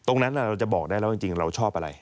เราจะบอกได้แล้วจริงเราชอบอะไร